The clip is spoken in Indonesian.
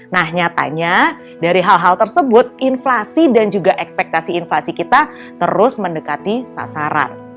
nah nyatanya dari hal hal tersebut inflasi dan juga ekspektasi inflasi kita terus mendekati sasaran